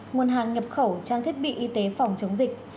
nguồn hàng nhập khẩu trang thiết bị y tế phòng chống dịch